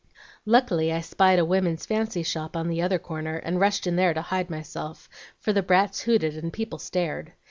Luckily I spied a woman's fancy shop on the other corner, and rushed in there to hide myself, for the brats hooted and people stared.